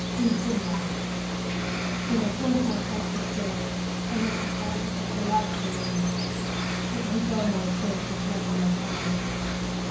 Bliss and woe ! Then I force myself to scales and exercises of the like sameness, that may dull my senses like a narcotic.